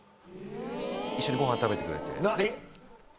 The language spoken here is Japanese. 一緒にごはん食べてくれて。